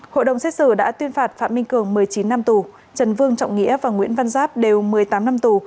hội đồng xét xử đã tuyên phạt phạm minh cường một mươi chín năm tù trần vương trọng nghĩa và nguyễn văn giáp đều một mươi tám năm tù